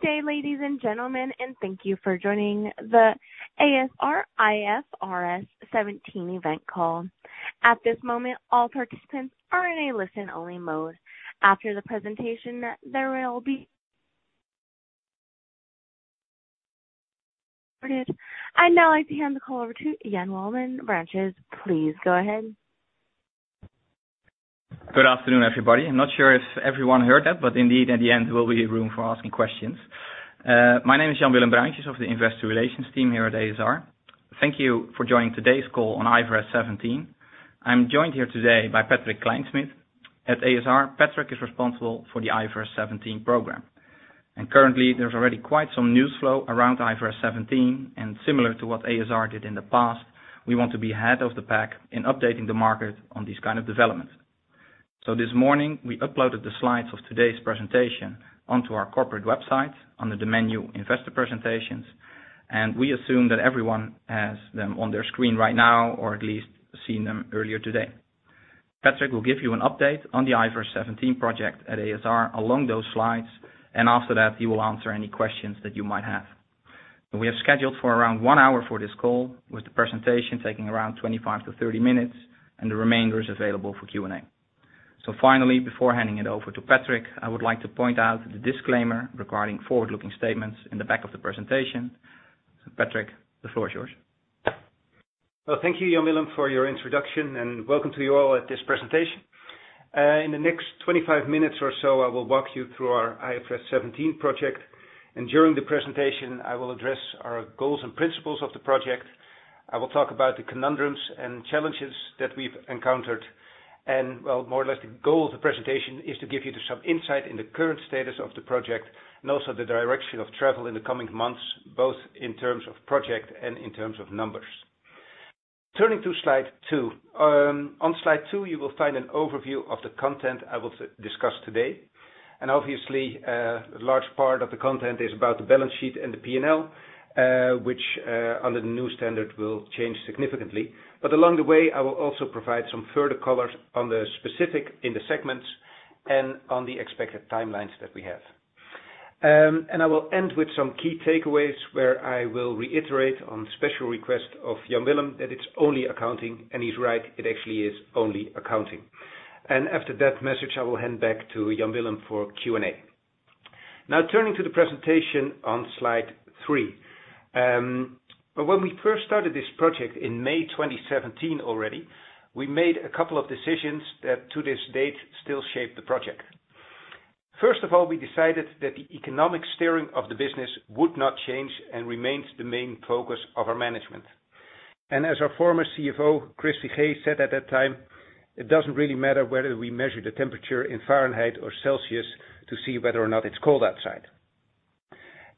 Good day, ladies and gentlemen, and thank you for joining the ASR IFRS 17 Event Call. At this moment, all participants are in a listen-only mode. After the presentation, I'd now like to hand the call over to Jan Willem Bruintjes. Please go ahead. Good afternoon, everybody. I'm not sure if everyone heard that, but indeed at the end, there will be room for asking questions. My name is Jan Willem Bruintjes of the investor relations team here at ASR. Thank you for joining today's call on IFRS 17. I'm joined here today by Patrick Klijnsmit. At ASR, Patrick is responsible for the IFRS 17 program. Currently, there's already quite some news flow around IFRS 17 and similar to what ASR did in the past, we want to be ahead of the pack in updating the market on these kind of developments. This morning, we uploaded the slides of today's presentation onto our corporate website under the menu investor presentations, and we assume that everyone has them on their screen right now, or at least seen them earlier today. Patrick will give you an update on the IFRS 17 project at ASR along those slides, and after that, he will answer any questions that you might have. We have scheduled for around one hour for this call, with the presentation taking around 25-30 minutes and the remainder is available for Q&A. Finally, before handing it over to Patrick, I would like to point out the disclaimer regarding forward-looking statements in the back of the presentation. Patrick, the floor is yours. Well, thank you, Jan Willem, for your introduction, and welcome to you all at this presentation. In the next 25 minutes or so, I will walk you through our IFRS 17 project. During the presentation, I will address our goals and principles of the project. I will talk about the conundrums and challenges that we've encountered. Well, more or less the goal of the presentation is to give you some insight in the current status of the project and also the direction of travel in the coming months, both in terms of project and in terms of numbers. Turning to slide two. On slide two, you will find an overview of the content I will discuss today. Obviously, a large part of the content is about the balance sheet and the P&L, which under the new standard will change significantly. Along the way, I will also provide some further colors on the specific in the segments and on the expected timelines that we have. I will end with some key takeaways where I will reiterate on special request of Jan Willem, that it's only accounting, and he's right, it actually is only accounting. After that message, I will hand back to Jan Willem for Q&A. Now, turning to the presentation on slide three. When we first started this project in May 2017 already, we made a couple of decisions that to this date still shape the project. First of all, we decided that the economic steering of the business would not change and remains the main focus of our management. As our former CFO, Chris Figee said at that time, it doesn't really matter whether we measure the temperature in Fahrenheit or Celsius to see whether or not it's cold outside.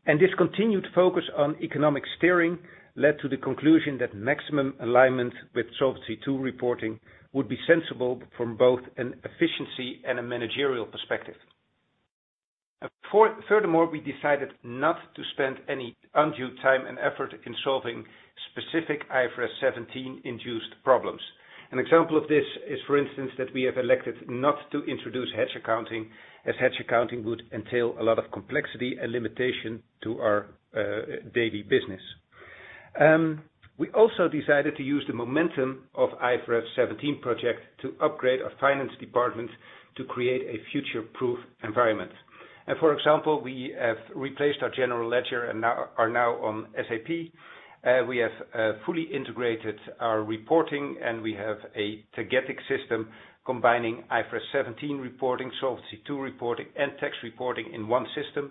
This continued focus on economic steering led to the conclusion that maximum alignment with Solvency II reporting would be sensible from both an efficiency and a managerial perspective. Furthermore, we decided not to spend any undue time and effort in solving specific IFRS 17 induced problems. An example of this is, for instance, that we have elected not to introduce hedge accounting, as hedge accounting would entail a lot of complexity and limitation to our daily business. We also decided to use the momentum of IFRS 17 project to upgrade our finance department to create a future-proof environment. For example, we have replaced our general ledger and now are on SAP. We have fully integrated our reporting, and we have a Tagetik system combining IFRS 17 reporting, Solvency II reporting, and tax reporting in one system.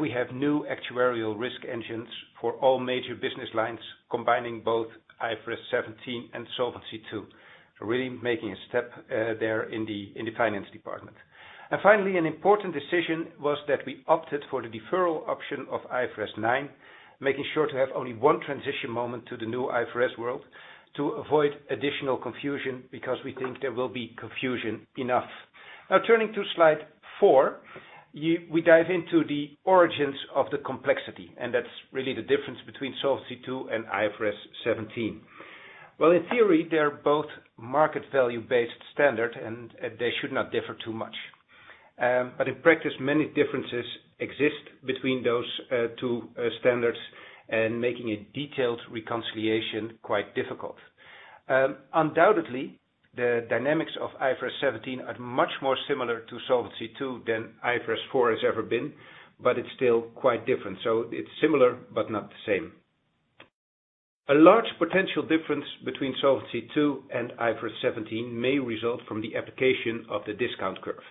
We have new actuarial risk engines for all major business lines, combining both IFRS 17 and Solvency II, really making a step there in the finance department. Finally, an important decision was that we opted for the deferral option of IFRS 9, making sure to have only one transition moment to the new IFRS world to avoid additional confusion because we think there will be confusion enough. Now, turning to slide four, we dive into the origins of the complexity, and that's really the difference between Solvency II and IFRS 17. Well, in theory, they're both market value based standard, and they should not differ too much. In practice, many differences exist between those two standards and making a detailed reconciliation quite difficult. Undoubtedly, the dynamics of IFRS 17 are much more similar to Solvency II than IFRS 4 has ever been, but it's still quite different. It's similar but not the same. A large potential difference between Solvency II and IFRS 17 may result from the application of the discount curve.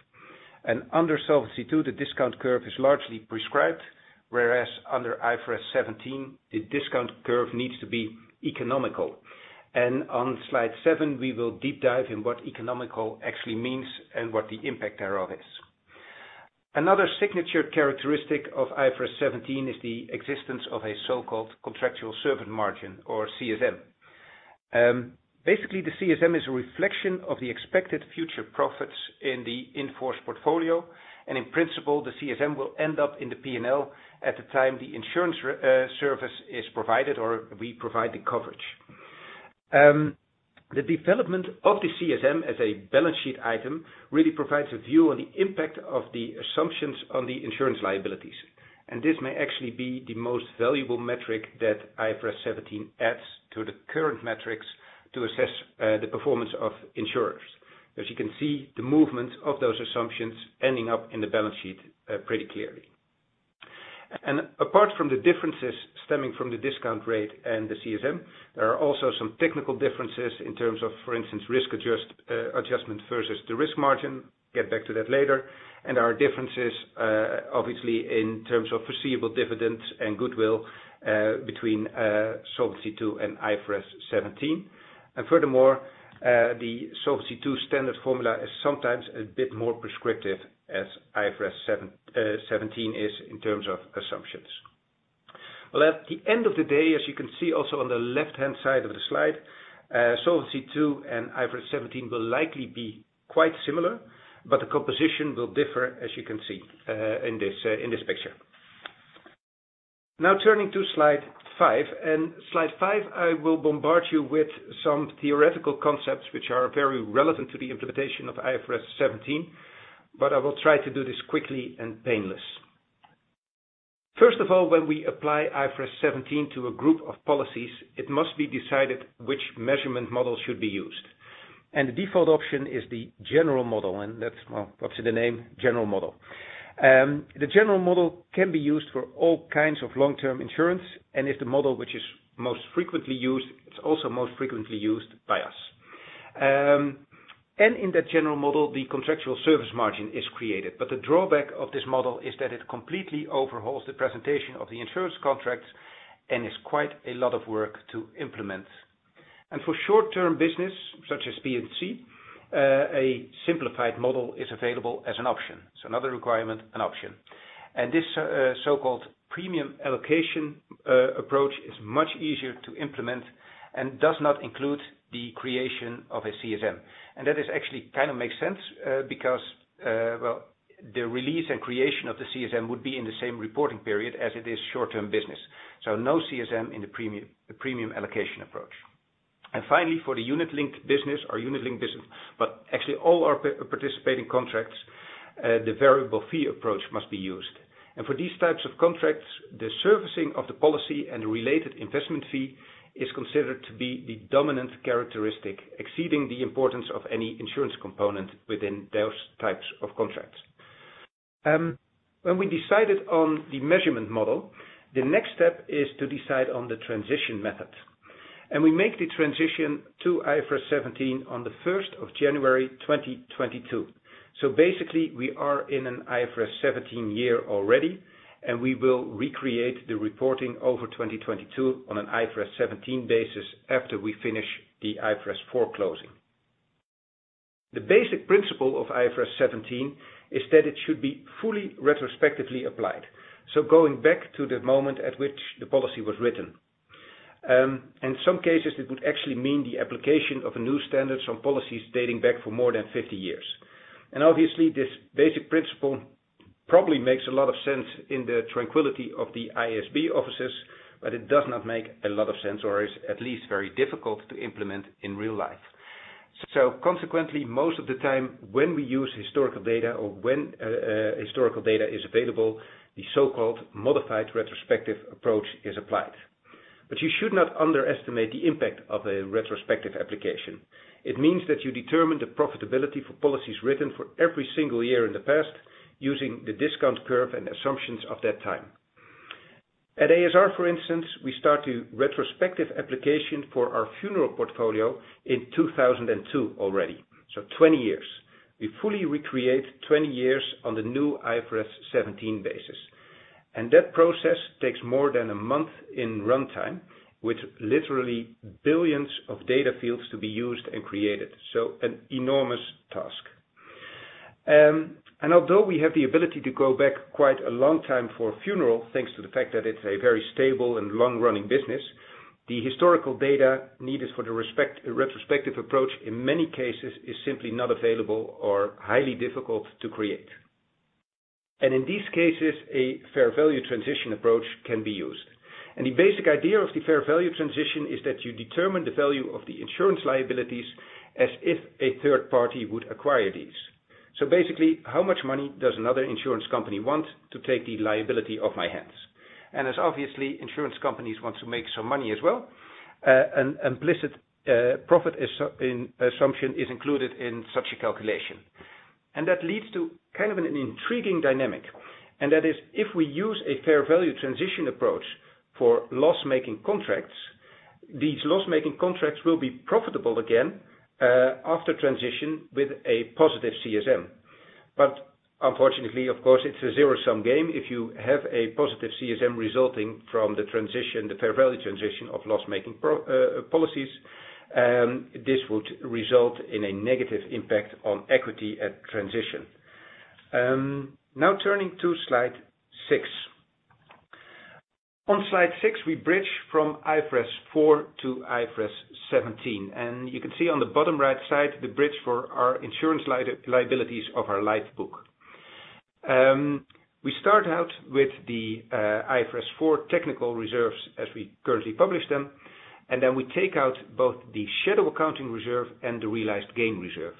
Under Solvency II, the discount curve is largely prescribed, whereas under IFRS 17, the discount curve needs to be economic. On slide seven, we will deep dive in what economic actually means and what the impact thereof is. Another signature characteristic of IFRS 17 is the existence of a so-called contractual service margin or CSM. Basically, the CSM is a reflection of the expected future profits in the in-force portfolio, and in principle, the CSM will end up in the P&L at the time the insurance service is provided or we provide the coverage. The development of the CSM as a balance sheet item really provides a view on the impact of the assumptions on the insurance liabilities. This may actually be the most valuable metric that IFRS 17 adds to the current metrics to assess the performance of insurers. As you can see, the movement of those assumptions ending up in the balance sheet pretty clearly. Apart from the differences stemming from the discount rate and the CSM, there are also some technical differences in terms of, for instance, risk adjustment versus the risk margin. Get back to that later. There are differences, obviously, in terms of foreseeable dividends and goodwill, between Solvency II and IFRS 17. Furthermore, the Solvency II standard formula is sometimes a bit more prescriptive as IFRS 17 is in terms of assumptions. Well, at the end of the day, as you can see also on the left-hand side of the slide, Solvency II and IFRS 17 will likely be quite similar, but the composition will differ, as you can see, in this picture. Now turning to slide five. In slide five, I will bombard you with some theoretical concepts which are very relevant to the implementation of IFRS 17, but I will try to do this quickly and painless. First of all, when we apply IFRS 17 to a group of policies, it must be decided which measurement model should be used. The default option is the general model, and that's, well, up to the name, general model. The general model can be used for all kinds of long-term insurance and is the model which is most frequently used. It's also most frequently used by us. In the general model, the contractual service margin is created. The drawback of this model is that it completely overhauls the presentation of the insurance contracts and is quite a lot of work to implement. For short-term business, such as P&C, a simplified model is available as an option. Another option. This so-called premium allocation approach is much easier to implement and does not include the creation of a CSM. That is actually kind of makes sense, because, well, the release and creation of the CSM would be in the same reporting period as it is short-term business. No CSM in the premium, the premium allocation approach. Finally, for the unit-linked business, but actually all our participating contracts, the variable fee approach must be used. For these types of contracts, the servicing of the policy and the related investment fee is considered to be the dominant characteristic, exceeding the importance of any insurance component within those types of contracts. When we decided on the measurement model, the next step is to decide on the transition method, and we make the transition to IFRS 17 on the first of January 2022. Basically, we are in an IFRS 17 year already, and we will recreate the reporting over 2022 on an IFRS 17 basis after we finish the IFRS 4 closing. The basic principle of IFRS 17 is that it should be fully retrospectively applied, so going back to the moment at which the policy was written. In some cases, it would actually mean the application of a new standard from policies dating back for more than 50 years. Obviously, this basic principle probably makes a lot of sense in the tranquility of the IASB offices, but it does not make a lot of sense or is at least very difficult to implement in real life. Consequently, most of the time when we use historical data or when historical data is available, the so-called modified retrospective approach is applied. You should not underestimate the impact of a retrospective application. It means that you determine the profitability for policies written for every single year in the past using the discount curve and assumptions of that time. At ASR, for instance, we start a retrospective application for our funeral portfolio in 2002 already. 20 years. We fully recreate 20 years on the new IFRS 17 basis. That process takes more than a month in runtime, with literally billions of data fields to be used and created. An enormous task. Although we have the ability to go back quite a long time for a funeral, thanks to the fact that it's a very stable and long-running business, the historical data needed for the retrospective approach in many cases is simply not available or highly difficult to create. In these cases, a fair value transition approach can be used. The basic idea of the fair value transition is that you determine the value of the insurance liabilities as if a third party would acquire these. Basically, how much money does another insurance company want to take the liability off my hands? As obviously, insurance companies want to make some money as well, an implicit profit assumption is included in such a calculation. That leads to kind of an intriguing dynamic. That is, if we use a fair value transition approach for loss-making contracts, these loss-making contracts will be profitable again, after transition with a positive CSM. Unfortunately, of course, it's a zero-sum game. If you have a positive CSM resulting from the transition, the fair value transition of loss-making policies, this would result in a negative impact on equity at transition. Now turning to slide six. On slide six, we bridge from IFRS 4 to IFRS 17, and you can see on the bottom right side the bridge for our insurance liabilities of our life book. We start out with the IFRS 4 technical reserves as we currently publish them, and then we take out both the shadow accounting reserve and the realized gain reserve.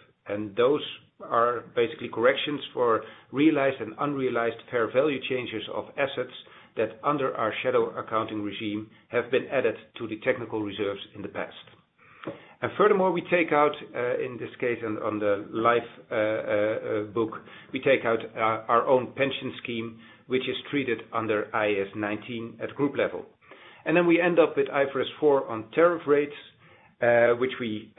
Those are basically corrections for realized and unrealized fair value changes of assets that under our shadow accounting regime, have been added to the technical reserves in the past. Furthermore, we take out, in this case on the life book, we take out our own pension scheme, which is treated under IAS 19 at group level. Then we end up with IFRS 4 on tariff rates, which we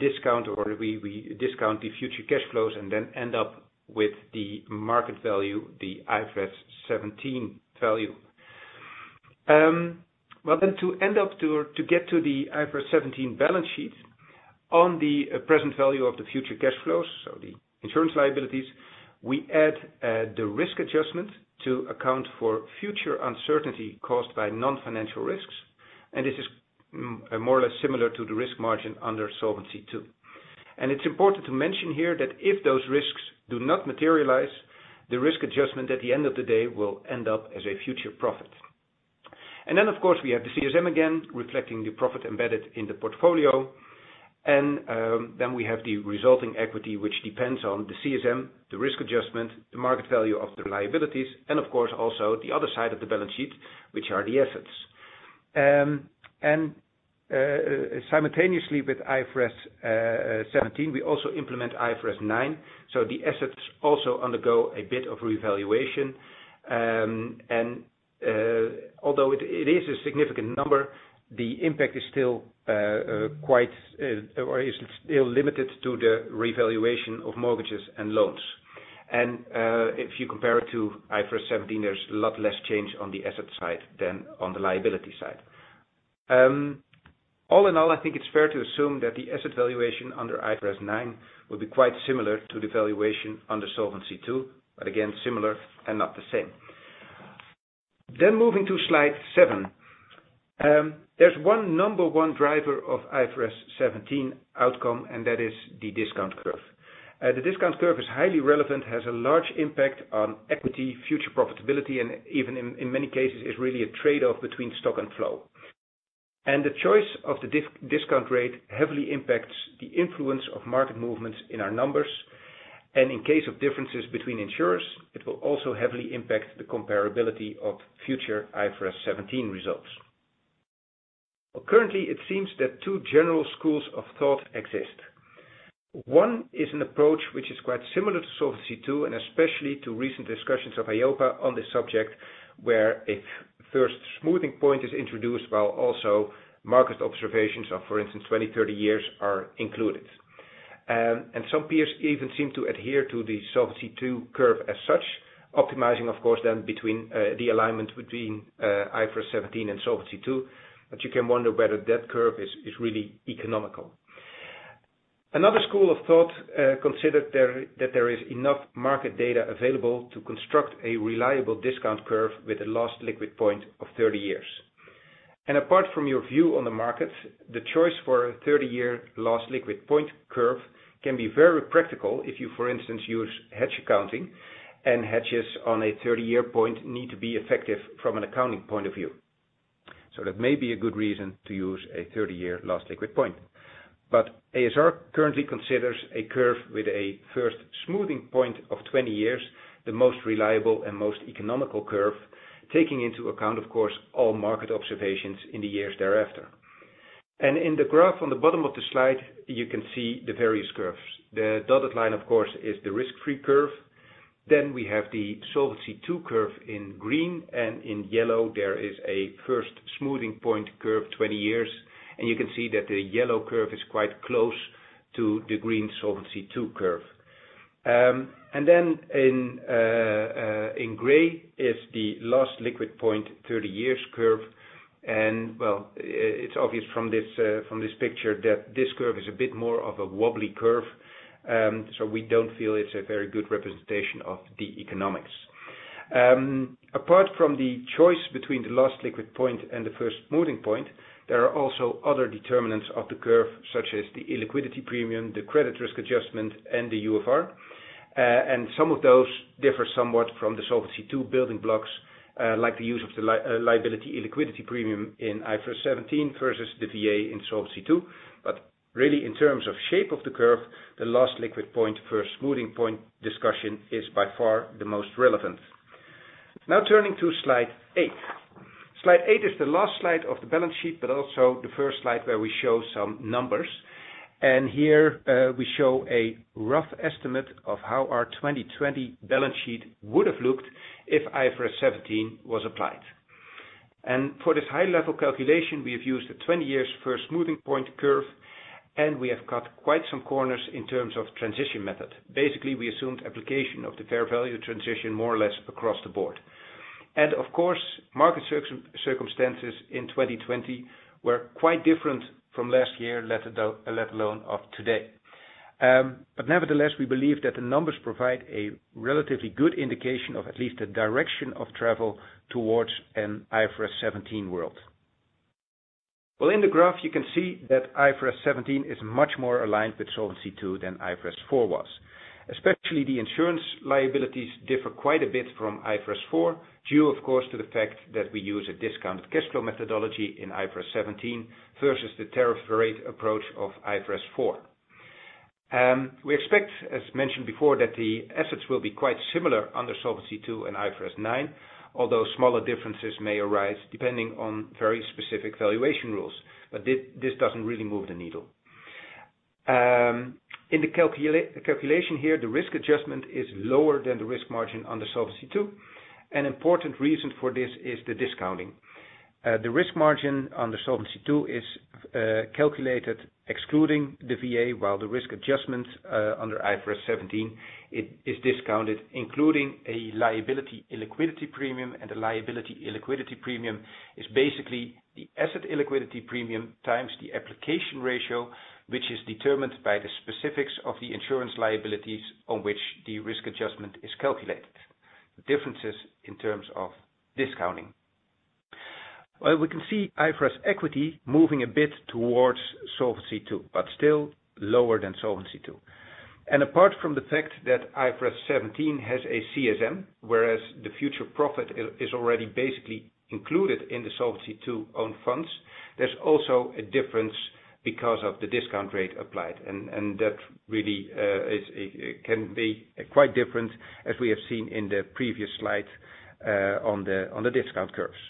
discount the future cash flows and then end up with the market value, the IFRS 17 value. Then to get to the IFRS 17 balance sheet on the present value of the future cash flows, so the insurance liabilities, we add the risk adjustment to account for future uncertainty caused by non-financial risks. This is more or less similar to the risk margin under Solvency II. It's important to mention here that if those risks do not materialize, the risk adjustment at the end of the day will end up as a future profit. Of course, we have the CSM again reflecting the profit embedded in the portfolio. We have the resulting equity, which depends on the CSM, the risk adjustment, the market value of the liabilities, and of course also the other side of the balance sheet, which are the assets. Simultaneously with IFRS 17, we also implement IFRS 9, so the assets also undergo a bit of revaluation. Although it is a significant number, the impact is still quite or is still limited to the revaluation of mortgages and loans. If you compare it to IFRS 17, there's a lot less change on the asset side than on the liability side. All in all, I think it's fair to assume that the asset valuation under IFRS 9 will be quite similar to the valuation under Solvency II, but again, similar and not the same. Moving to slide seven. There's number one driver of IFRS 17 outcome, and that is the discount curve. The discount curve is highly relevant, has a large impact on equity, future profitability, and even in many cases, is really a trade-off between stock and flow. The choice of the discount rate heavily impacts the influence of market movements in our numbers. In case of differences between insurers, it will also heavily impact the comparability of future IFRS 17 results. Currently, it seems that two general schools of thought exist. One is an approach which is quite similar to Solvency II, and especially to recent discussions of EIOPA on this subject, where a first smoothing point is introduced, while also market observations of, for instance, 20, 30 years are included. Some peers even seem to adhere to the Solvency II curve as such, optimizing of course then between the alignment between IFRS 17 and Solvency II. You can wonder whether that curve is really economical. Another school of thought considers that there is enough market data available to construct a reliable discount curve with a last liquid point of 30 years. Apart from your view on the markets, the choice for a 30-year last liquid point curve can be very practical if you, for instance, use hedge accounting and hedges on a 30-year point need to be effective from an accounting point of view. That may be a good reason to use a 30-year last liquid point. ASR currently considers a curve with a first smoothing point of 20 years, the most reliable and most economical curve, taking into account, of course, all market observations in the years thereafter. In the graph on the bottom of the slide, you can see the various curves. The dotted line, of course, is the risk-free curve. Then we have the Solvency II curve in green, and in yellow there is a first smoothing point curve, 20 years. You can see that the yellow curve is quite close to the green Solvency II curve. Then in gray is the last liquid point 30 years curve. Well, it's obvious from this picture that this curve is a bit more of a wobbly curve, so we don't feel it's a very good representation of the economics. Apart from the choice between the last liquid point and the first smoothing point, there are also other determinants of the curve, such as the illiquidity premium, the credit risk adjustment, and the UFR. Some of those differ somewhat from the Solvency II building blocks, like the use of the liability illiquidity premium in IFRS 17 versus the VA in Solvency II. Really in terms of shape of the curve, the last liquid point, first smoothing point discussion is by far the most relevant. Now turning to slide eight. Slide eight is the last slide of the balance sheet, but also the first slide where we show some numbers. Here, we show a rough estimate of how our 2020 balance sheet would have looked if IFRS 17 was applied. For this high level calculation, we have used a 20-year first smoothing point curve, and we have cut quite some corners in terms of transition method. Basically, we assumed application of the fair value transition more or less across the board. Of course, market circumstances in 2020 were quite different from last year, let alone today. Nevertheless, we believe that the numbers provide a relatively good indication of at least the direction of travel towards an IFRS 17 world. Well, in the graph you can see that IFRS 17 is much more aligned with Solvency II than IFRS 4 was. Especially the insurance liabilities differ quite a bit from IFRS 4, due of course, to the fact that we use a discounted cash flow methodology in IFRS 17 versus the tariff rate approach of IFRS 4. We expect, as mentioned before, that the assets will be quite similar under Solvency II and IFRS 9, although smaller differences may arise depending on very specific valuation rules. This doesn't really move the needle. In the calculation here, the risk adjustment is lower than the risk margin under Solvency II. An important reason for this is the discounting. The risk margin under Solvency II is calculated excluding the VA, while the risk adjustments under IFRS 17 it is discounted, including a liability illiquidity premium. The liability illiquidity premium is basically the asset illiquidity premium times the application ratio, which is determined by the specifics of the insurance liabilities on which the risk adjustment is calculated. The differences in terms of discounting. Well, we can see IFRS equity moving a bit towards Solvency II, but still lower than Solvency II. Apart from the fact that IFRS 17 has a CSM, whereas the future profit is already basically included in the Solvency II own funds, there's also a difference because of the discount rate applied. That really is it can be quite different as we have seen in the previous slide on the discount curves.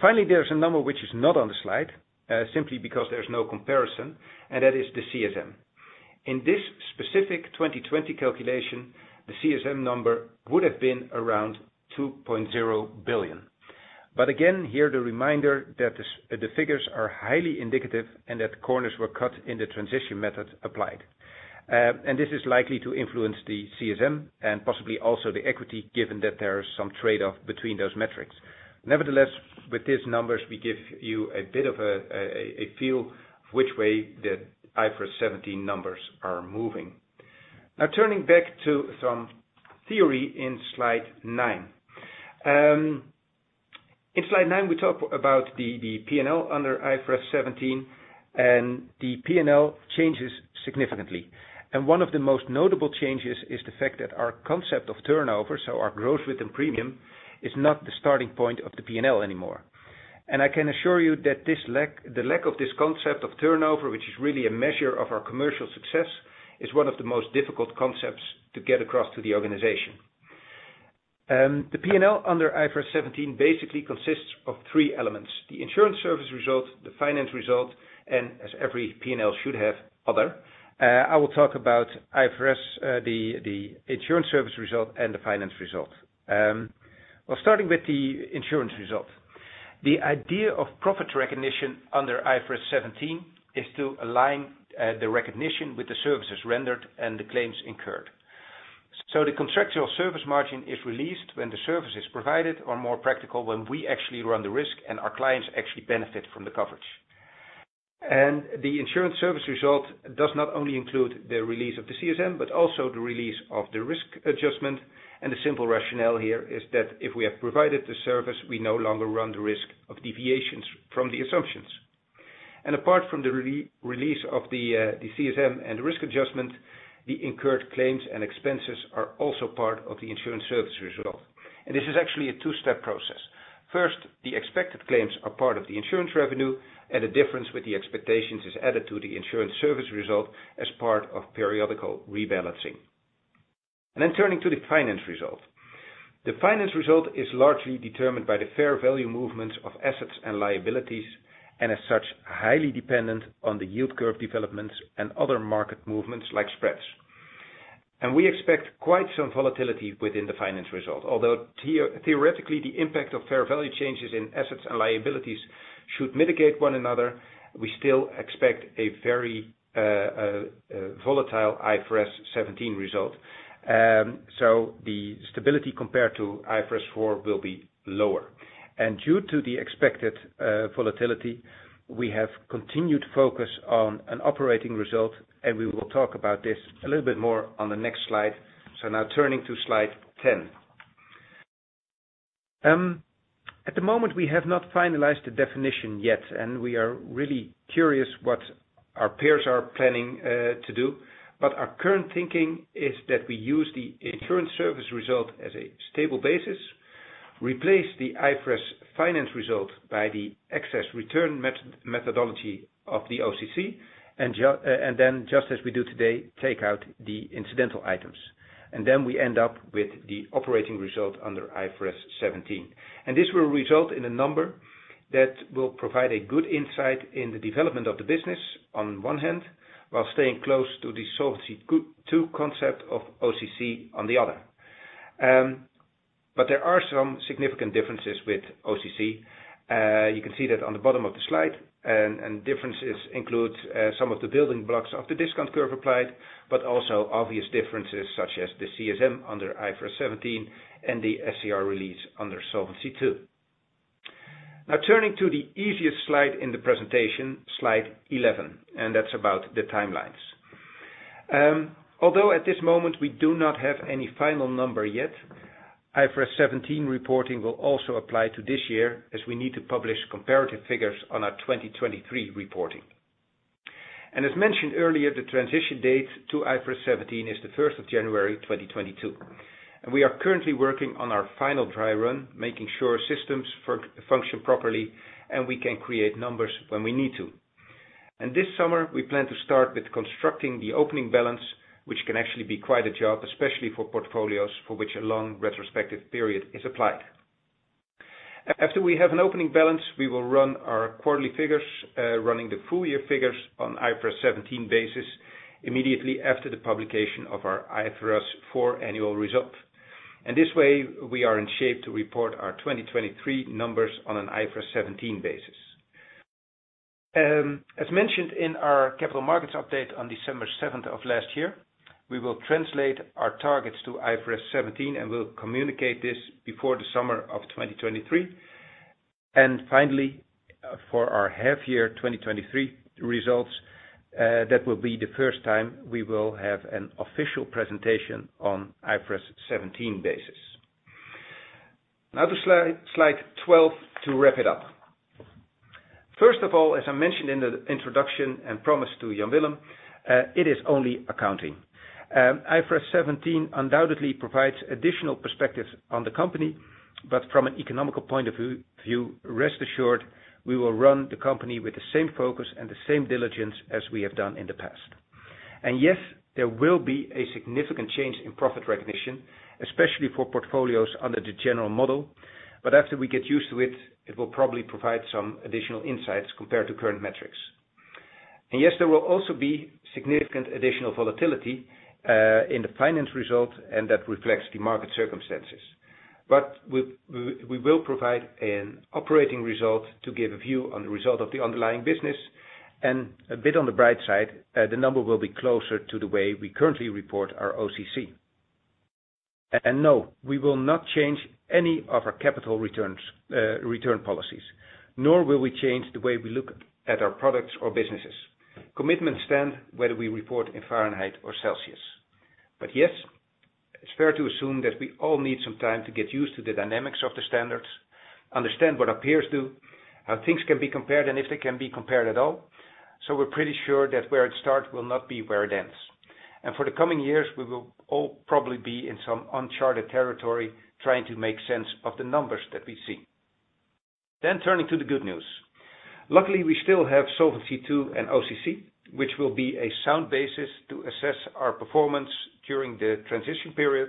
Finally, there's a number which is not on the slide, simply because there's no comparison, and that is the CSM. In this specific 2020 calculation, the CSM number would have been around 2.0 billion. Again, here the reminder that the figures are highly indicative and that corners were cut in the transition method applied. This is likely to influence the CSM and possibly also the equity, given that there is some trade-off between those metrics. Nevertheless, with these numbers, we give you a bit of a feel which way the IFRS 17 numbers are moving. Now, turning back to some theory in slide nine. In slide nine, we talk about the P&L under IFRS 17, and the P&L changes significantly. One of the most notable changes is the fact that our concept of turnover, so our growth within premium, is not the starting point of the P&L anymore. I can assure you that the lack of this concept of turnover, which is really a measure of our commercial success, is one of the most difficult concepts to get across to the organization. The P&L under IFRS 17 basically consists of three elements, the insurance service result, the finance result, and as every P&L should have, other. I will talk about IFRS, the insurance service result and the finance result. Starting with the insurance result. The idea of profit recognition under IFRS 17 is to align the recognition with the services rendered and the claims incurred. The contractual service margin is released when the service is provided or more practical, when we actually run the risk and our clients actually benefit from the coverage. The insurance service result does not only include the release of the CSM, but also the release of the risk adjustment. The simple rationale here is that if we have provided the service, we no longer run the risk of deviations from the assumptions. Apart from the release of the CSM and risk adjustment, the incurred claims and expenses are also part of the insurance service result. This is actually a two-step process. First, the expected claims are part of the insurance revenue, and the difference with the expectations is added to the insurance service result as part of periodical rebalancing. Then turning to the finance result. The finance result is largely determined by the fair value movements of assets and liabilities, and as such, highly dependent on the yield curve developments and other market movements like spreads. We expect quite some volatility within the finance result. Although theoretically, the impact of fair value changes in assets and liabilities should mitigate one another, we still expect a very volatile IFRS 17 result. The stability compared to IFRS 4 will be lower. Due to the expected volatility, we have continued focus on an operating result, and we will talk about this a little bit more on the next slide. Now turning to slide 10. At the moment, we have not finalized the definition yet, and we are really curious what our peers are planning to do. Our current thinking is that we use the insurance service result as a stable basis, replace the IFRS finance result by the excess return methodology of the OCC, and then, just as we do today, take out the incidental items. Then we end up with the operating result under IFRS 17. This will result in a number that will provide a good insight in the development of the business on one hand, while staying close to the Solvency II concept of OCC on the other. There are some significant differences with OCC. You can see that on the bottom of the slide. Differences include some of the building blocks of the discount curve applied, but also obvious differences such as the CSM under IFRS 17 and the SCR release under Solvency II. Now turning to the easiest slide in the presentation, slide 11, and that's about the timelines. Although at this moment we do not have any final number yet, IFRS 17 reporting will also apply to this year as we need to publish comparative figures on our 2023 reporting. As mentioned earlier, the transition date to IFRS 17 is the first of January 2022. We are currently working on our final dry run, making sure systems function properly and we can create numbers when we need to. This summer, we plan to start with constructing the opening balance, which can actually be quite a job, especially for portfolios for which a long retrospective period is applied. After we have an opening balance, we will run our quarterly figures, running the full year figures on IFRS 17 basis immediately after the publication of our IFRS 4 annual result. This way we are in shape to report our 2023 numbers on an IFRS 17 basis. As mentioned in our Capital Markets update on December 7 of last year, we will translate our targets to IFRS 17, and we'll communicate this before the summer of 2023. Finally, for our half year 2023 results, that will be the first time we will have an official presentation on IFRS 17 basis. Now to slide 12 to wrap it up. First of all, as I mentioned in the introduction and promise to Jan Willem, it is only accounting. IFRS 17 undoubtedly provides additional perspectives on the company, but from an economic point of view, rest assured we will run the company with the same focus and the same diligence as we have done in the past. Yes, there will be a significant change in profit recognition, especially for portfolios under the general model. After we get used to it will probably provide some additional insights compared to current metrics. Yes, there will also be significant additional volatility in the finance result, and that reflects the market circumstances. We will provide an operating result to give a view on the result of the underlying business. A bit on the bright side, the number will be closer to the way we currently report our OCC. No, we will not change any of our capital returns, return policies, nor will we change the way we look at our products or businesses. Commitments stand whether we report in Fahrenheit or Celsius. Yes, it's fair to assume that we all need some time to get used to the dynamics of the standards, understand what our peers do, how things can be compared, and if they can be compared at all. We're pretty sure that where it starts will not be where it ends. For the coming years, we will all probably be in some uncharted territory trying to make sense of the numbers that we see. Turning to the good news. Luckily, we still have Solvency II and OCC, which will be a sound basis to assess our performance during the transition period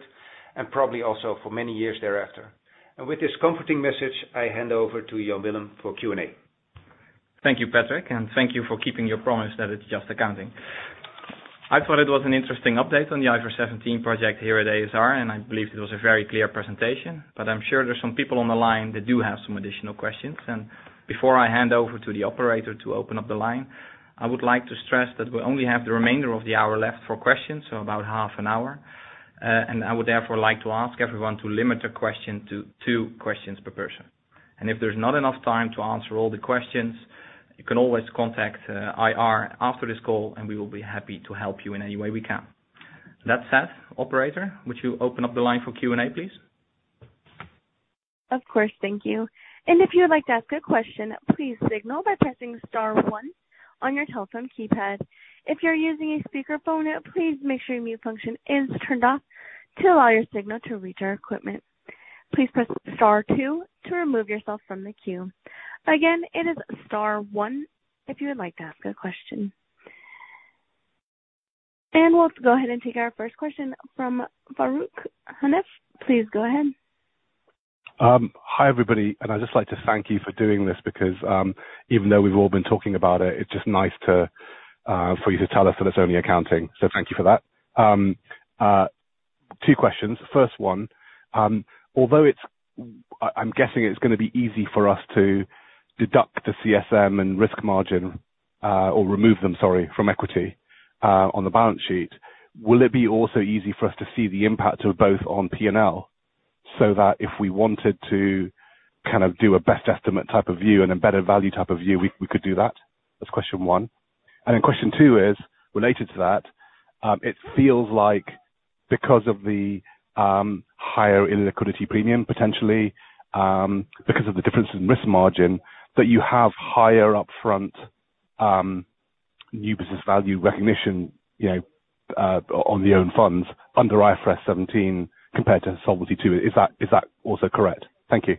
and probably also for many years thereafter. With this comforting message, I hand over to Jan Willem for Q&A. Thank you, Patrick, and thank you for keeping your promise that it's just accounting. I thought it was an interesting update on the IFRS 17 project here at ASR, and I believe it was a very clear presentation, but I'm sure there's some people on the line that do have some additional questions. Before I hand over to the operator to open up the line, I would like to stress that we only have the remainder of the hour left for questions, so about half an hour. I would therefore like to ask everyone to limit a question to two questions per person. If there's not enough time to answer all the questions, you can always contact, IR after this call, and we will be happy to help you in any way we can. That said, operator, would you open up the line for Q&A, please? Of course. Thank you. If you would like to ask a question, please signal by pressing star one on your telephone keypad. If you're using a speakerphone, please make sure your mute function is turned off to allow your signal to reach our equipment. Please press star two to remove yourself from the queue. Again, it is star one if you would like to ask a question. Let's go ahead and take our first question from Farooq Hanif. Please go ahead. Hi, everybody, and I'd just like to thank you for doing this because, even though we've all been talking about it's just nice to, for you to tell us that it's only accounting. Thank you for that. Two questions. First one, although it's, I'm guessing it's gonna be easy for us to deduct the CSM and risk margin, or remove them, sorry, from equity, on the balance sheet. Will it be also easy for us to see the impact of both on P&L so that if we wanted to kind of do a best estimate type of view and embedded value type of view, we could do that? That's question one. Question two is related to that. It feels like because of the higher illiquidity premium, potentially, because of the difference in risk margin that you have higher up front new business value recognition, you know, on the own funds under IFRS 17 compared to Solvency II. Is that also correct? Thank you.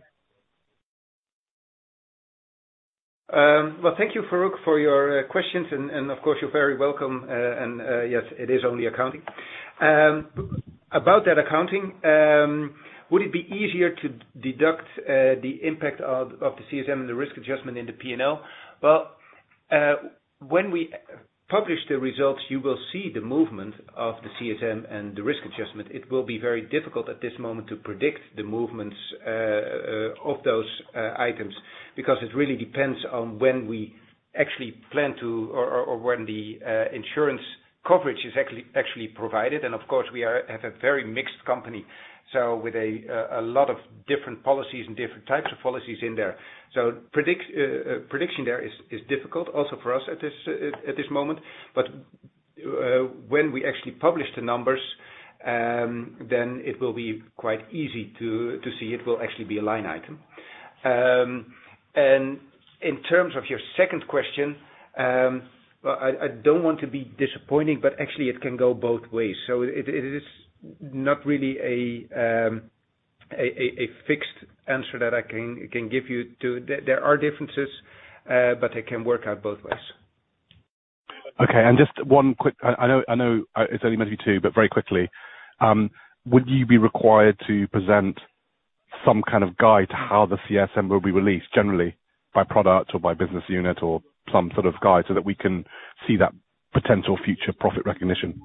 Well, thank you, Farooq, for your questions. Of course you're very welcome. Yes, it is only accounting. About that accounting, would it be easier to deduct the impact of the CSM and the risk adjustment in the P&L? Well, when we publish the results, you will see the movement of the CSM and the risk adjustment. It will be very difficult at this moment to predict the movements of those items because it really depends on when we actually plan to or when the insurance coverage is actually provided. Of course, we are a very mixed company, so with a lot of different policies and different types of policies in there. Prediction there is difficult also for us at this moment. When we actually publish the numbers, then it will be quite easy to see. It will actually be a line item. In terms of your second question, I don't want to be disappointing, but actually it can go both ways. It is not really a fixed answer that I can give you too. There are differences, but it can work out both ways. Okay. Just one quick, I know it's only meant to be two, but very quickly, would you be required to present some kind of guide to how the CSM will be released generally by product or by business unit or some sort of guide so that we can see that potential future profit recognition?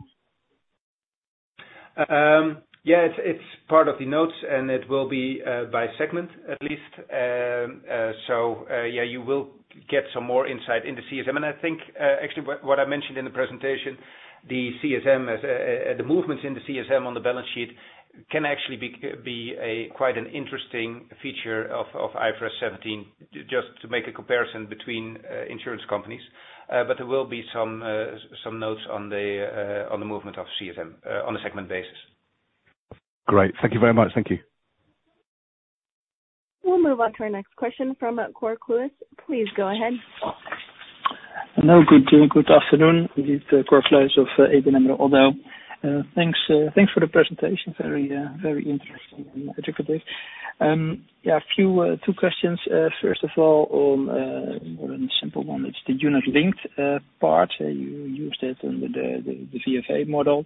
Yeah. It's part of the notes, and it will be by segment at least. You will get some more insight in the CSM. I think actually what I mentioned in the presentation, the CSM as the movements in the CSM on the balance sheet can actually be a quite an interesting feature of IFRS 17 just to make a comparison between insurance companies. There will be some notes on the movement of CSM on a segment basis. Great. Thank you very much. Thank you. We'll move on to our next question from Cor Kluis. Please go ahead. Hello. Good evening. Good afternoon. This is Cor Kluis of ABN AMRO. Thanks for the presentation. Very interesting and educative. Two questions. First of all, a very simple one. It's the unit linked part. You used it in the VFA model.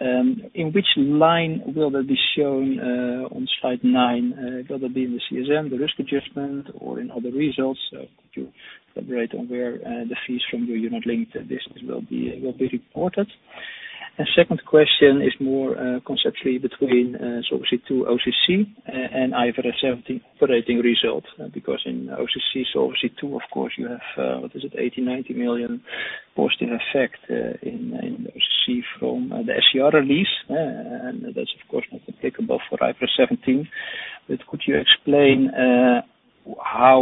In which line will that be shown on slide nine? Will it be in the CSM, the risk adjustment, or in other results? Could you elaborate on where the fees from the unit linked will be reported? Second question is more conceptually between Solvency II OCC and IFRS 17 operating results. Because in OCC, Solvency II, of course, you have 80 million-90 million posting effect in OCC from the SCR release. That's of course not applicable for IFRS 17. Could you explain how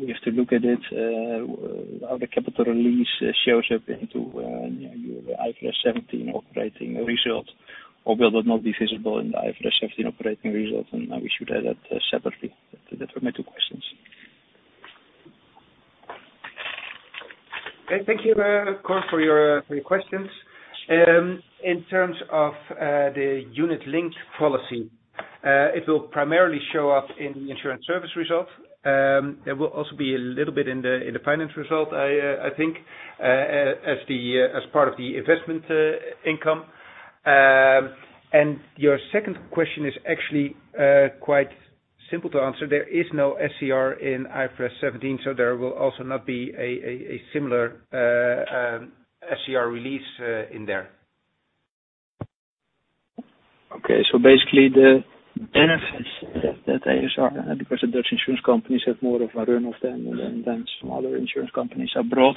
we have to look at it, how the capital release shows up in your IFRS 17 operating results? Will it not be visible in the IFRS 17 operating results, and we should add that separately? Those are my two questions. Thank you, Cor, for your questions. In terms of the unit linked policy, it will primarily show up in the insurance service results. There will also be a little bit in the finance result, I think, as part of the investment income. Your second question is actually quite simple to answer. There is no SCR in IFRS 17, so there will also not be a similar SCR release in there. Basically the benefits that ASR, because the Dutch insurance companies have more of a runway than some other insurance companies abroad.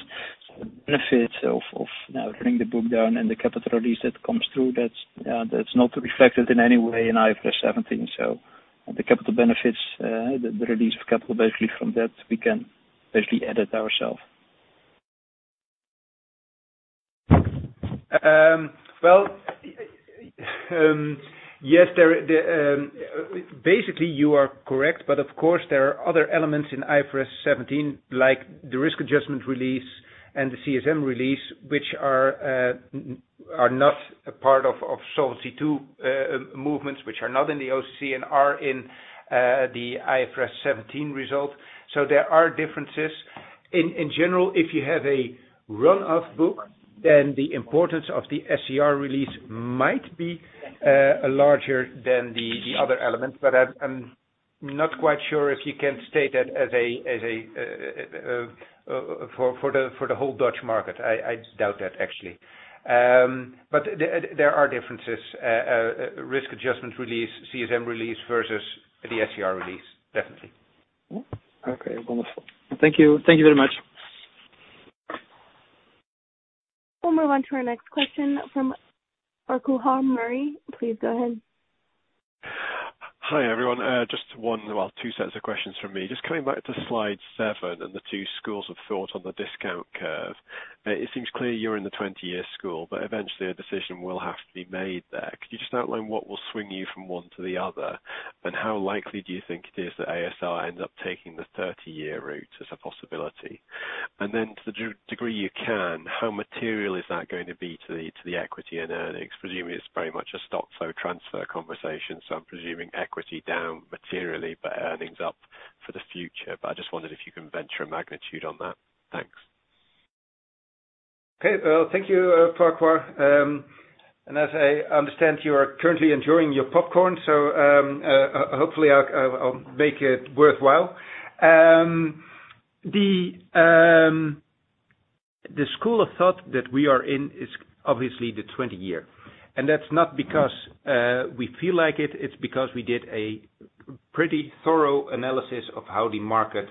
The benefits of you know, bringing the book down and the capital release that comes through, that's not reflected in any way in IFRS 17. The capital benefits, the release of capital basically from that we can basically hedge ourselves. Well, yes. Basically you are correct. Of course there are other elements in IFRS 17, like the risk adjustment release and the CSM release, which are not a part of Solvency II movements, which are not in the OCC and are in the IFRS 17 result. There are differences. In general, if you have a run-off book, then the importance of the SCR release might be larger than the other elements. I'm not quite sure if you can state that as a for the whole Dutch market. I doubt that actually. There are differences, risk adjustment release, CSM release versus the SCR release, definitely. Okay, wonderful. Thank you. Thank you very much. We'll move on to our next question from Farquhar Murray. Please go ahead. Hi, everyone. Just one, well, two sets of questions from me. Just coming back to slide seven and the two schools of thought on the discount curve. It seems clear you're in the 20-year school, but eventually a decision will have to be made there. Could you just outline what will swing you from one to the other? How likely do you think it is that ASR ends up taking the 30-year route as a possibility? To the degree you can, how material is that going to be to the equity and earnings? Presuming it's very much a stochastic transfer conversation. I'm presuming equity down materially, but earnings up for the future. I just wondered if you can venture a magnitude on that. Thanks. Well, thank you, Farquhar. As I understand, you are currently enjoying your popcorn, so hopefully I'll make it worthwhile. The school of thought that we are in is obviously the 20-year, and that's not because we feel like it's because we did a pretty thorough analysis of how the market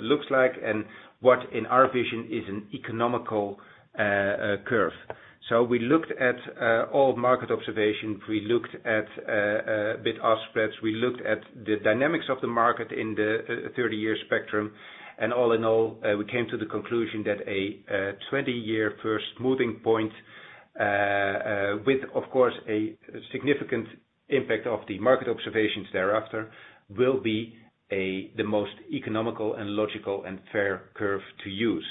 looks like and what in our vision is an economic curve. We looked at all market observations. We looked at bid-ask spreads. We looked at the dynamics of the market in the 30-year spectrum. All in all, we came to the conclusion that a 20-year first smoothing point, with of course a significant impact of the market observations thereafter, will be the most economic and logical and fair curve to use.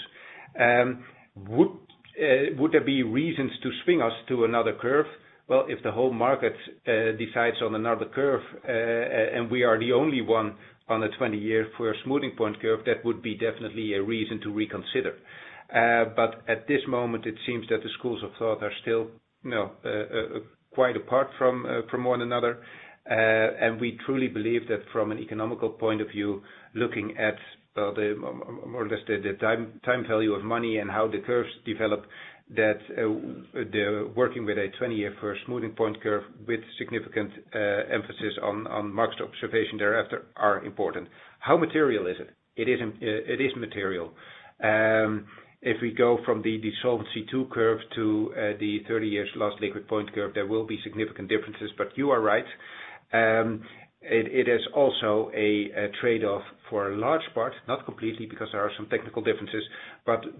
Would there be reasons to swing us to another curve? Well, if the whole market decides on another curve, and we are the only one on the 20-year for a smoothing point curve, that would be definitely a reason to reconsider. At this moment, it seems that the schools of thought are still, you know, quite apart from one another. We truly believe that from an economic point of view, looking at more or less the time value of money and how the curves develop, that they're working with a 20-year first smoothing point curve with significant emphasis on market observation thereafter are important. How material is it? It isn't. It is material. If we go from the Solvency II curve to the 30 years last liquid point curve, there will be significant differences. You are right. It is also a trade-off for a large part, not completely because there are some technical differences.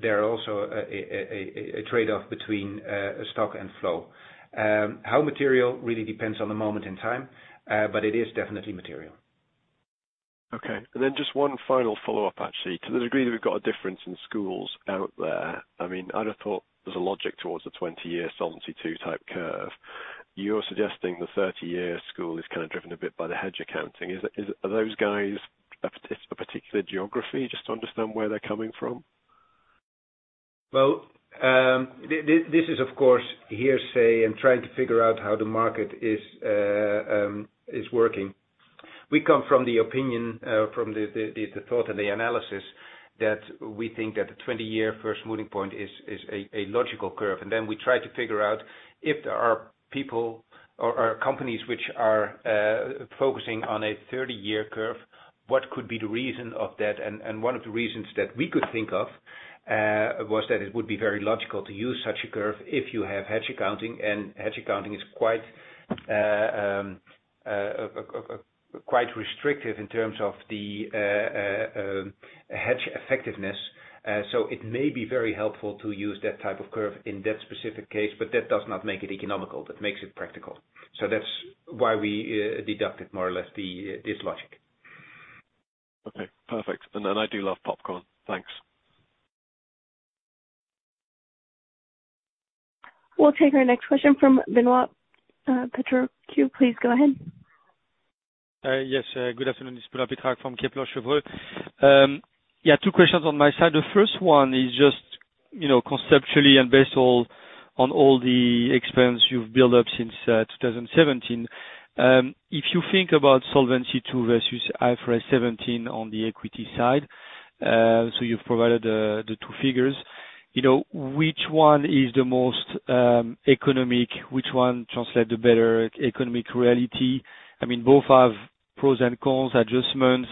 There are also a trade-off between stock and flow. How material really depends on the moment in time, but it is definitely material. Okay. Just one final follow-up, actually. To the degree that we've got a difference in schools out there, I mean, I'd have thought there's a logic towards the 20-year Solvency II type curve. You're suggesting the 30-year school is kind of driven a bit by the hedge accounting. Are those guys a particular geography? Just to understand where they're coming from. Well, this is of course hearsay and trying to figure out how the market is working. We come from the opinion from the thought and the analysis that we think that the 20-year first smoothing point is a logical curve. We try to figure out if there are people or companies which are focusing on a 30-year curve, what could be the reason of that. One of the reasons that we could think of was that it would be very logical to use such a curve if you have hedge accounting. Hedge accounting is quite restrictive in terms of the hedge effectiveness. It may be very helpful to use that type of curve in that specific case, but that does not make it economical. That makes it practical. That's why we deducted more or less this logic. Okay, perfect. I do love popcorn. Thanks. We'll take our next question from Benoît Pétrarque. Please go ahead. Good afternoon. It's Benoît Pétrarque from Kepler Cheuvreux. Yeah, two questions on my side. The first one is just, you know, conceptually and based on all the experience you've built up since 2017. If you think about Solvency II versus IFRS 17 on the equity side, so you've provided the two figures. You know, which one is the most economic? Which one translate the better economic reality? I mean, both have pros and cons adjustments,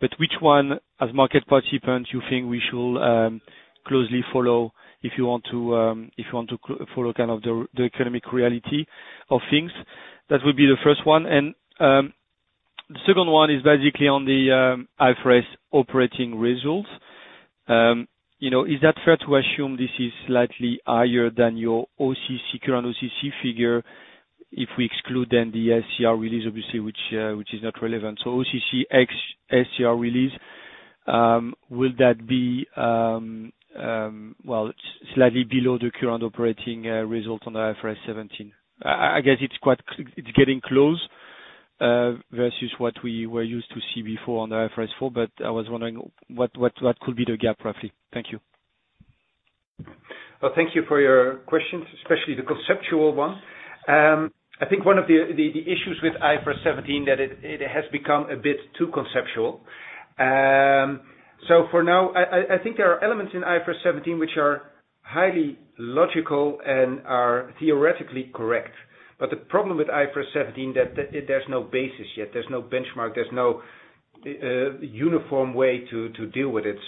but which one, as market participants, you think we should closely follow if you want to follow kind of the economic reality of things? That would be the first one. The second one is basically on the IFRS operating results. You know, is that fair to assume this is slightly higher than your OCC, current OCC figure if we exclude then the SCR release, obviously, which is not relevant. OCC ex SCR release, will that be, well, slightly below the current operating result on the IFRS 17? I guess it's getting close versus what we were used to see before on the IFRS 4, but I was wondering what could be the gap roughly. Thank you. Well, thank you for your questions, especially the conceptual one. I think one of the issues with IFRS 17 that it has become a bit too conceptual. I think there are elements in IFRS 17 which are highly logical and are theoretically correct. The problem with IFRS 17 that there's no basis yet. There's no benchmark, there's no uniform way to deal with it.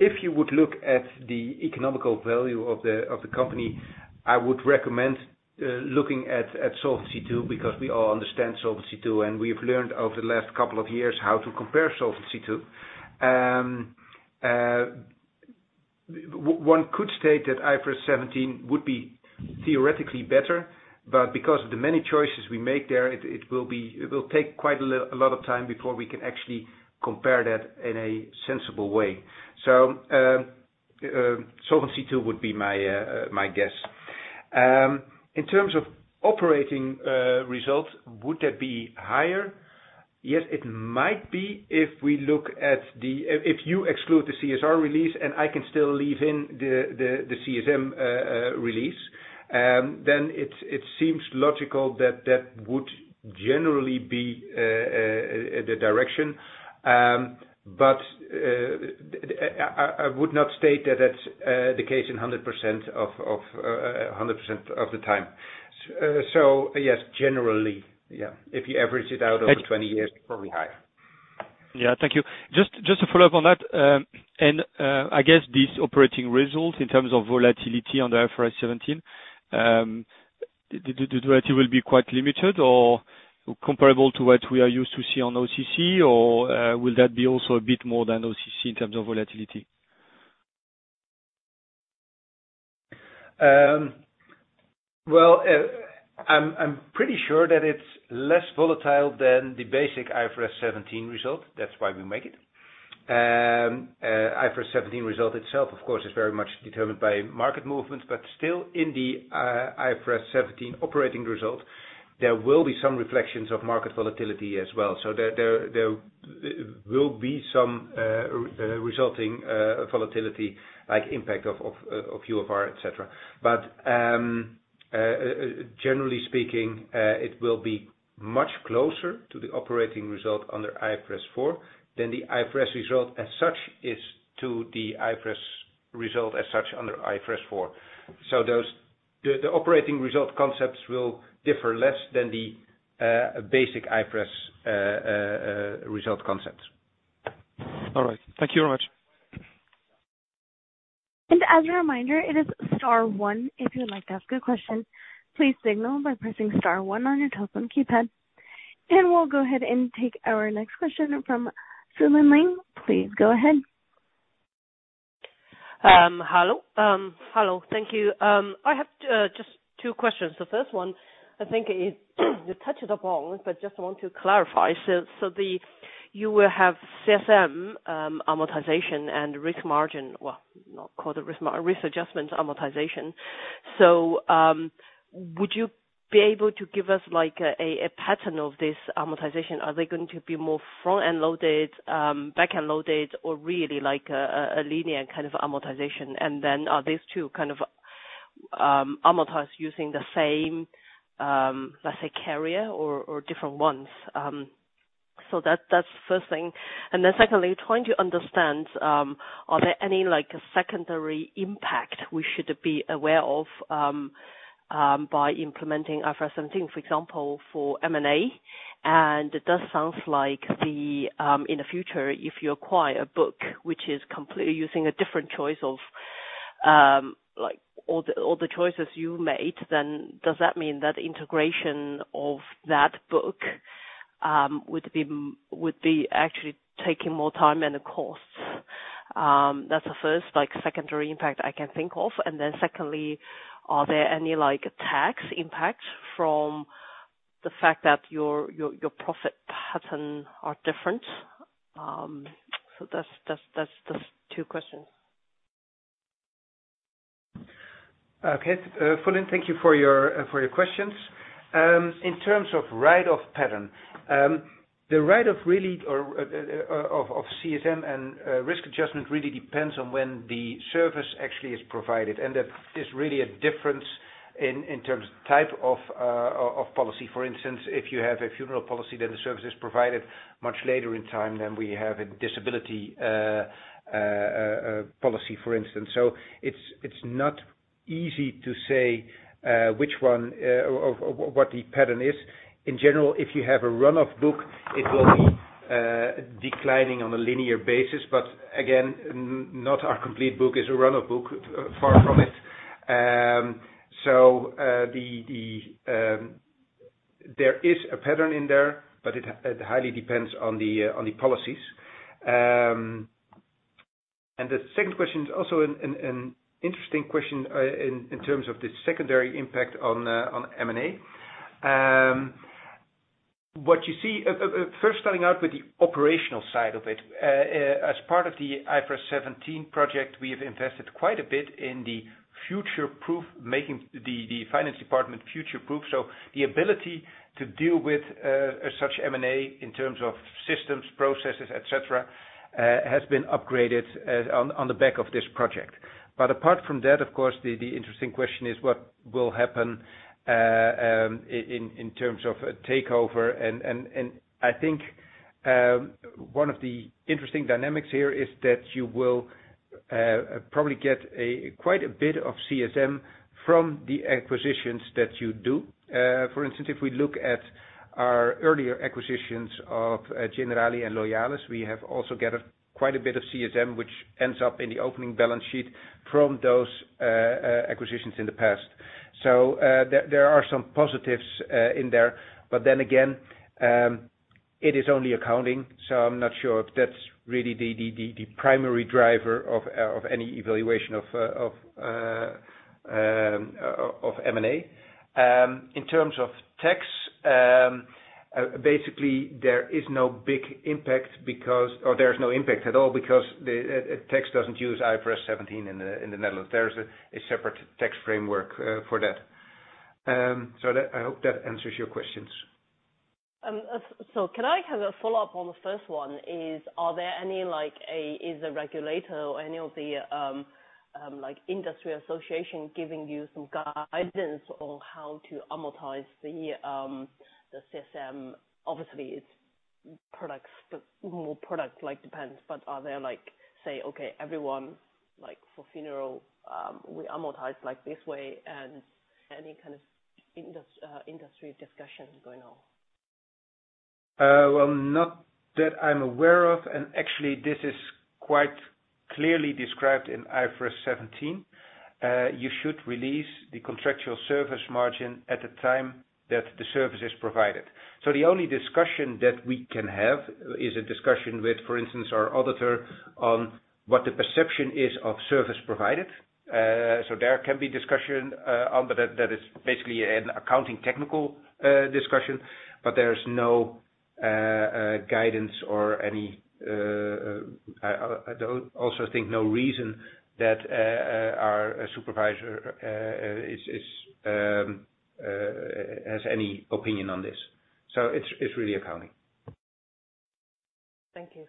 If you would look at the economic value of the company, I would recommend looking at Solvency II, because we all understand Solvency II, and we've learned over the last couple of years how to compare Solvency II. One could state that IFRS 17 would be theoretically better, but because of the many choices we make there, it will take quite a lot of time before we can actually compare that in a sensible way. Solvency II would be my guess. In terms of operating results, would that be higher? Yes, it might be. If you exclude the SCR release and I can still leave in the CSM release, then it seems logical that that would generally be the direction. I would not state that that's the case 100% of the time. Yes, generally, yeah, if you average it out over 20 years, probably higher. Yeah. Thank you. Just to follow up on that. I guess these operating results in terms of volatility on the IFRS 17. The volatility will be quite limited or comparable to what we are used to see on OCC, or will that be also a bit more than OCC in terms of volatility? Well, I'm pretty sure that it's less volatile than the basic IFRS 17 result. That's why we make it. IFRS 17 result itself, of course, is very much determined by market movements, but still in the IFRS 17 operating result, there will be some reflections of market volatility as well. There will be some resulting volatility like impact of UFR, et cetera. Generally speaking, it will be much closer to the operating result under IFRS 4 than the IFRS result as such is to the IFRS result as such under IFRS 4. Those operating result concepts will differ less than the basic IFRS result concepts. All right. Thank you very much. As a reminder, it is star one if you would like to ask a question. Please signal by pressing star one on your telephone keypad. We'll go ahead and take our next question from Sui Lin Ling. Please go ahead. Hello. Hello. Thank you. I have just two questions. The first one I think is you touched upon, but just want to clarify. So you will have CSM amortization and risk margin. Well, not called a risk adjustment amortization. So would you be able to give us like a pattern of this amortization? Are they going to be more front-end loaded, back-end loaded or really like a linear kind of amortization? And then are these two kind of amortized using the same, let's say carrier or different ones? So that's first thing. Then secondly, trying to understand, are there any like secondary impact we should be aware of by implementing IFRS 17, for example, for M&A? It does sound like in the future if you acquire a book which is completely using a different choice of, like all the choices you made, then does that mean that integration of that book would be actually taking more time and costs? That's the first like secondary impact I can think of. Then secondly, are there any like tax impacts from the fact that your profit pattern are different? That's two questions. Okay. Siu Ling, thank you for your questions. In terms of write-off pattern, the write-off really of CSM and risk adjustment really depends on when the service actually is provided. That there's really a difference in terms of type of policy. For instance, if you have a funeral policy, then the service is provided much later in time than we have a disability policy, for instance. It's not easy to say which one or what the pattern is. In general, if you have a run-off book, it will be declining on a linear basis. Again, not our complete book is a run-off book, far from it. There is a pattern in there, but it highly depends on the policies. The second question is also an interesting question in terms of the secondary impact on M&A. What you see first starting out with the operational side of it. As part of the IFRS 17 project, we have invested quite a bit in the future-proof making the finance department future-proof. The ability to deal with such M&A in terms of systems, processes, et cetera has been upgraded on the back of this project. Apart from that, of course, the interesting question is what will happen in terms of a takeover. I think one of the interesting dynamics here is that you will probably get quite a bit of CSM from the acquisitions that you do. For instance, if we look at our earlier acquisitions of Generali and Loyalis, we have also gathered quite a bit of CSM, which ends up in the opening balance sheet from those acquisitions in the past. There are some positives in there. It is only accounting, so I'm not sure if that's really the primary driver of any valuation of M&A. In terms of tax, basically there is no impact at all because the tax doesn't use IFRS 17 in the Netherlands. There is a separate tax framework for that. I hope that answers your questions. Can I have a follow-up on the first one? Are there any like a is the regulator or any of the like industry association giving you some guidance on how to amortize the CSM? Obviously it's products, but more product like depends. Are there like say okay everyone like for funeral we amortize like this way and any kind of industry discussions going on? Well, not that I'm aware of, and actually this is quite clearly described in IFRS 17. You should release the contractual service margin at the time that the service is provided. The only discussion that we can have is a discussion with, for instance, our auditor on what the perception is of service provided. There can be discussion, but that is basically an accounting technical discussion, but there is no guidance or any. I don't also think no reason that our supervisor is has any opinion on this. It's really accounting. Thank you.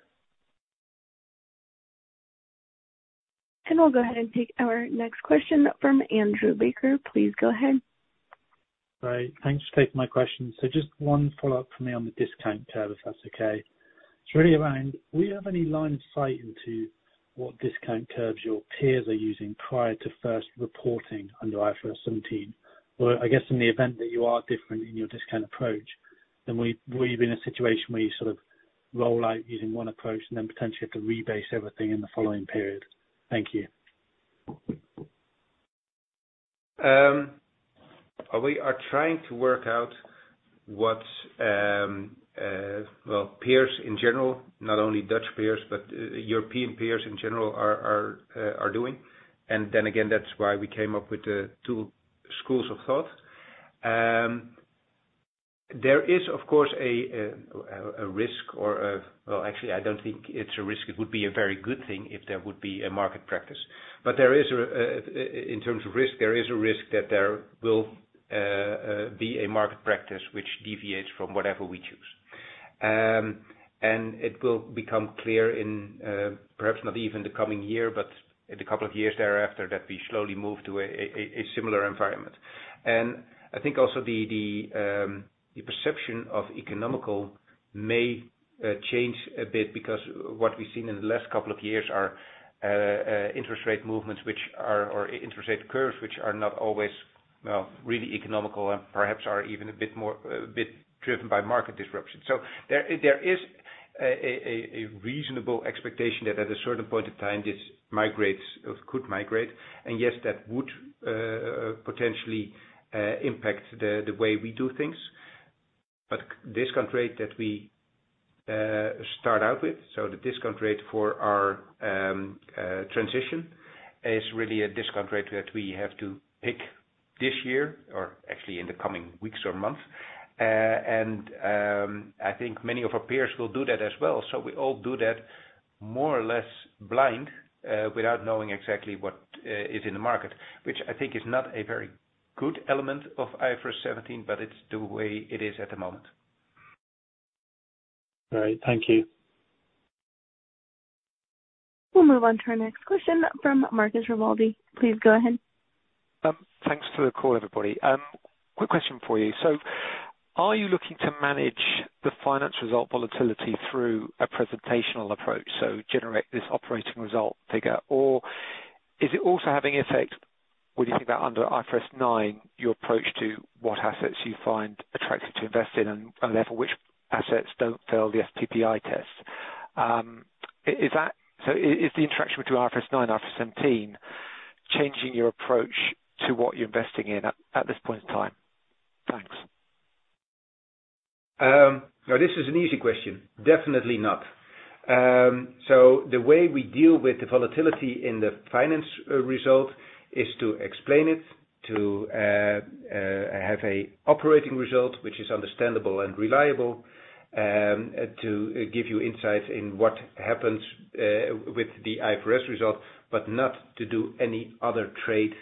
We'll go ahead and take our next question from Andrew Baker. Please go ahead. Great. Thanks for taking my question. Just one follow-up for me on the discount curve, if that's okay. It's really around do you have any line of sight into what discount curves your peers are using prior to first reporting under IFRS 17? Or I guess in the event that you are different in your discount approach, then will you be in a situation where you sort of roll out using one approach and then potentially have to rebase everything in the following period? Thank you. We are trying to work out what well peers in general, not only Dutch peers, but European peers in general are doing. Then again, that's why we came up with the two schools of thought. There is of course a risk or a. Well, actually, I don't think it's a risk. It would be a very good thing if there would be a market practice. There is a in terms of risk, there is a risk that there will be a market practice which deviates from whatever we choose. It will become clear in perhaps not even the coming year, but in a couple of years thereafter, that we slowly move to a similar environment. I think also the perception of economic malaise may change a bit because what we've seen in the last couple of years are interest rate movements or interest rate curves, which are not always, well, really economic and perhaps are even a bit more driven by market disruption. There is a reasonable expectation that at a certain point of time, this migrates or could migrate, and yes, that would potentially impact the way we do things. The discount rate that we start out with, so the discount rate for our transition, is really a discount rate that we have to pick this year or actually in the coming weeks or months. I think many of our peers will do that as well. We all do that more or less blind, without knowing exactly what is in the market, which I think is not a very good element of IFRS 17, but it's the way it is at the moment. Great. Thank you. We'll move on to our next question from Marcus Rivaldi. Please go ahead. Thanks for the call, everybody. Quick question for you. Are you looking to manage the finance result volatility through a presentational approach? Generate this operating result figure, or is it also having effect when you think about under IFRS 9, your approach to what assets you find attractive to invest in and therefore which assets don't fail the SPPI test? Is the interaction between IFRS 9, IFRS 17 changing your approach to what you're investing in at this point in time? Thanks. Now this is an easy question. Definitely not. The way we deal with the volatility in the finance result is to explain it, to have an operating result which is understandable and reliable, to give you insight in what happens with the IFRS result, but not to do any other trading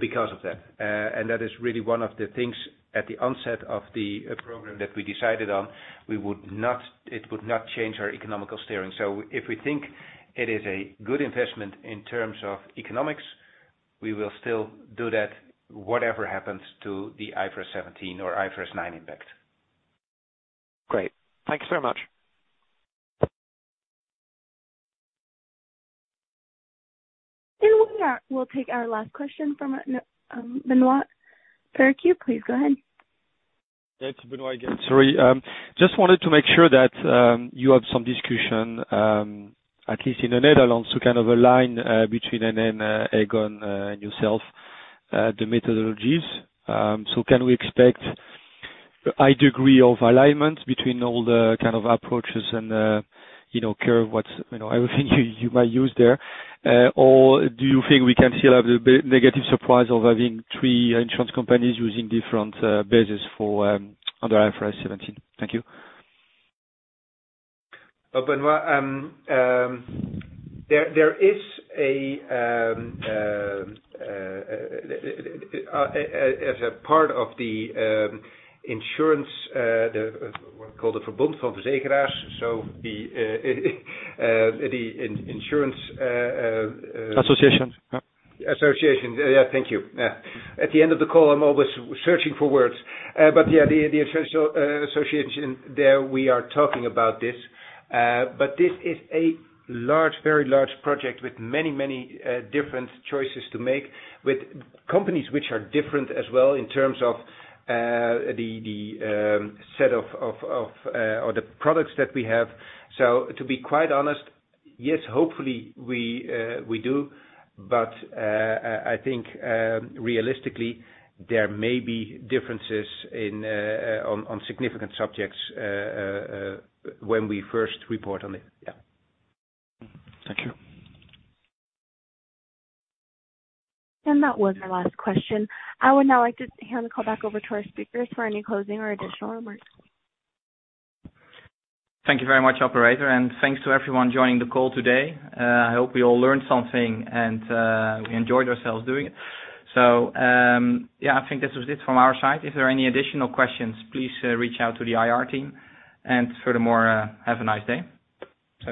because of that. That is really one of the things at the onset of the program that we decided on. It would not change our economic steering. If we think it is a good investment in terms of economics, we will still do that whatever happens to the IFRS 17 or IFRS 9 impact. Great. Thank you very much. We'll take our last question from Benoît Pétrarque. Please go ahead. It's Benoit again. Sorry. Just wanted to make sure that you have some discussion, at least in the Netherlands, to kind of align between NN, Aegon, and yourself, the methodologies. Can we expect a high degree of alignment between all the kind of approaches and, you know, curves, what's, you know, everything you might use there? Or do you think we can still have the big negative surprise of having three insurance companies using different bases under IFRS 17? Thank you. Well, Benoit, there is, as a part of the insurance, what we call the Verbond van Verzekeraars, so the insurance Association. Yeah. Thank you. Yeah. At the end of the call, I'm always searching for words. But yeah, the association there, we are talking about this. But this is a large, very large project with many different choices to make with companies which are different as well in terms of the set of or the products that we have. So to be quite honest, yes, hopefully, we do. I think realistically, there may be differences on significant subjects when we first report on it. Yeah. Thank you. That was our last question. I would now like to hand the call back over to our speakers for any closing or additional remarks. Thank you very much, operator. Thanks to everyone joining the call today. I hope we all learned something and we enjoyed ourselves doing it. Yeah, I think this was it from our side. If there are any additional questions, please reach out to the IR team. Furthermore, have a nice day.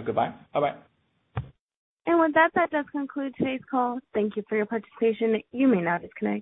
Goodbye. Bye-bye. With that does conclude today's call. Thank you for your participation. You may now disconnect.